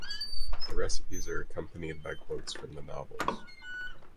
The recipes are accompanied by quotes from the novels.